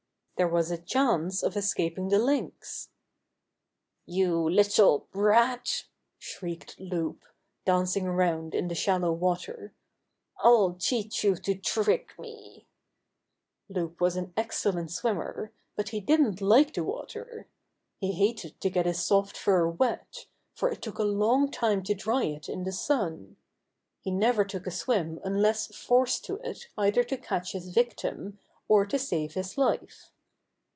There was a chance of escaping the Lynx. "You little brat!" shrieked Loup, dancing around in the shallow water. "I'll teach you to trick me!" 26 Buster the Bear Loup was an excellent swimmer, but be didn't like the water. He hated to get his soft fur wet, for it took a long time to dry it in the sun. He never took a swim unless forced to it either to catch his victim or to save his life.